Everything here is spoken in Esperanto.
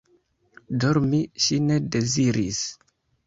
Dormi ŝi ne deziris.